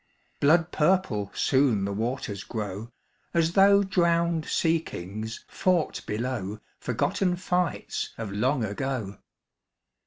Blood purple soon the waters grow, As though drowned sea kings fought below Forgotten fights of long ago.